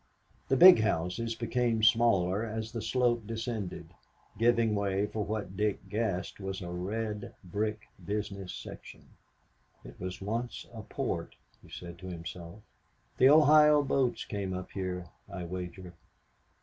The big houses became smaller as the slope descended, giving way for what Dick guessed was a red brick business section. "It was once a port," he said to himself. "The Ohio boats came up here, I wager."